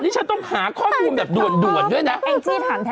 นี่ฉันต้องหาข้อมูลแบบด่วนด้วยนะ